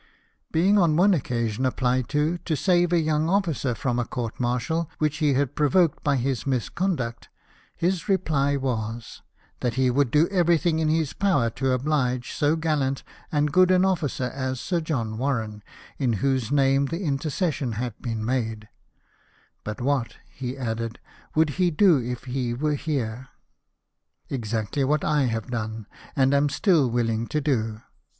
Being on one occasion applied to, to save a young officer from a court martial, which he had provoked by his misconduct, his reply was :'' That he would do every thing in his power to oblige so gallant and good an officer as Sir John Warren," in whose name the inter cession had been made :" But what," he added, " would he do if he were here ?— Exactly what I have done, and am still willing to do.